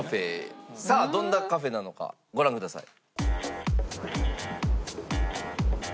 さあどんなカフェなのかご覧ください。